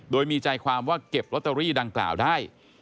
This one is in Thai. โดยมีใจความว่าเก็บลอตเตอรี่ดังกล่าวได้